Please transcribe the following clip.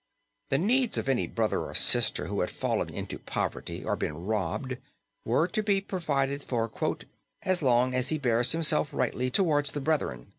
The needs of any brother or sister who had fallen into poverty or been robbed were to be provided for "as long as he bears himself rightly towards the brethren."